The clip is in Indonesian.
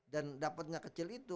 dan dapatnya kecil itu